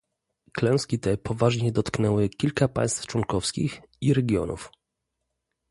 Klęski te poważnie dotknęły kilka państw członkowskich i regionów